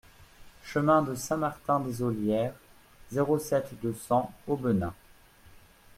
Chemin de Saint-Martin des Ollières, zéro sept, deux cents Aubenas